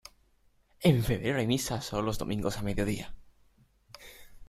En febrero hay misa sólo los domingos a mediodía.